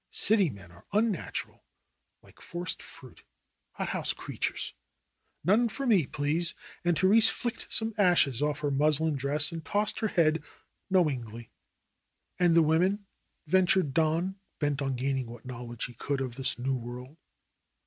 City men are unnatural, like forced fruit — hot house creatures ! None for me, please !" And The rese flicked some ashes off her muslin dress and tossed her head knowingly. "And the women?" ventured Don, bent on gaining what knowledge he could of this new world.